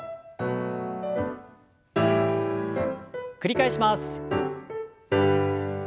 繰り返します。